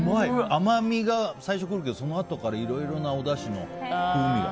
甘みが最初に来るけどそのあとからいろいろなおだしの風味が。